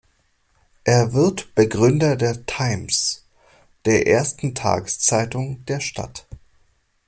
Er wird Begründer der "Times", der ersten Tageszeitung der Stadt.